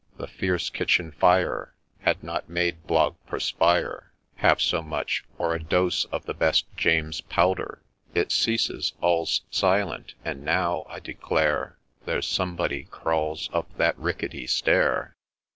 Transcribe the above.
— The fierce kitchen fire Had not made Blogg perspire Half so much, or a dose of the best James's powder. — It ceases — all 's silent !— and now, I declare There 's somebody crawls up that rickety stair.